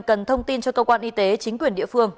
cần thông tin cho cơ quan y tế chính quyền địa phương